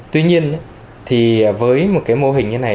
tuy nhiên thì với một cái mô hình như này